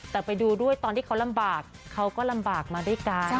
แต่ไปดูด้วยตอนที่เขาลำบากเขาก็ลำบากมาด้วยกัน